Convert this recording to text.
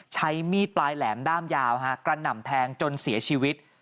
ใช้มีดปลายแหลมด้ามยาวกระหน่ำแทงจนเสียชีวิต